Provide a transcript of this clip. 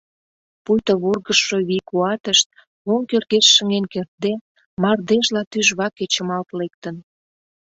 Пуйто вургыжшо вий-куатышт, оҥ кӧргеш шыҥен кертде, мардежла тӱжваке чымалт лектын...